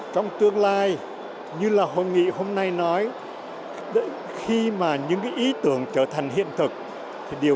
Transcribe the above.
trong tương lai như là hội nghị hôm nay nói khi mà những cái ý tưởng trở thành hiện thực thì điều